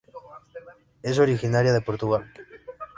Es originaria de Portugal.